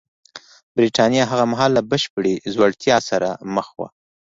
برېټانیا هغه مهال له بشپړې ځوړتیا سره مخ وه